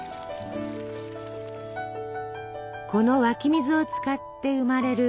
この湧き水を使って生まれる